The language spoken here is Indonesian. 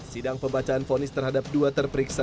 sidang pembacaan fonis terhadap dua terperiksa